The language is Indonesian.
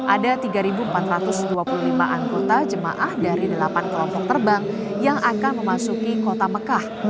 ada tiga empat ratus dua puluh lima anggota jemaah dari delapan kelompok terbang yang akan memasuki kota mekah